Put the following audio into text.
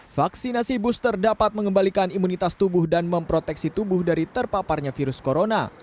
vaksinasi booster dapat mengembalikan imunitas tubuh dan memproteksi tubuh dari terpaparnya virus corona